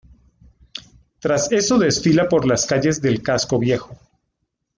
Tras eso desfila por las calles del casco viejo.